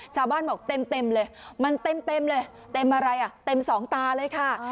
ชาวบ้านบอกเต็มเลยมันเต็มเลยเต็มอะไรอ่ะเต็มสองตาเลยค่ะ